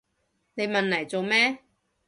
你問嚟做咩？